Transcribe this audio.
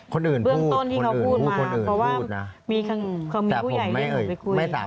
เบื้องต้นที่เขาพูดมาเพราะว่ามีผู้ใหญ่ที่อื่นไปคุย